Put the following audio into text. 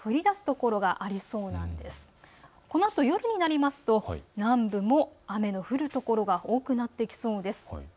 このあと夜になりますと南部も雨の降る所が多くなってきそうです。